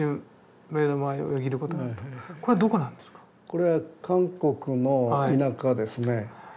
これは韓国の田舎ですね。